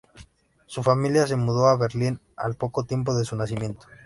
Su familia se mudó a Berlín al poco tiempo de su nacimiento.